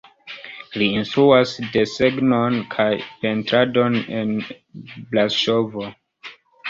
Li instruas desegnon kaj pentradon en Braŝovo.